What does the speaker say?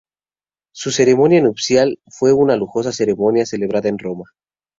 Su ceremonia nupcial fue una lujosa ceremonia celebrada en Roma.